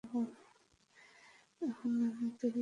এখনো অনেক দূর যাওয়া বাকি।